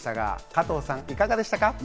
加藤さん、いかがでしたか？